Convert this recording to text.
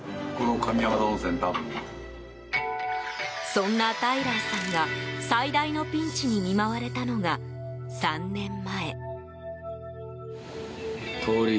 そんなタイラーさんが最大のピンチに見舞われたのが３年前。